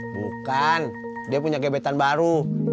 bukan dia punya gebetan baru